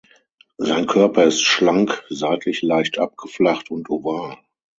Sein Körper ist schlank, seitlich leicht abgeflacht und oval.